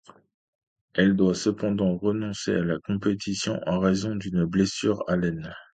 Elle doit cependant renoncer à la compétition en raison d'une blessure à l'aine.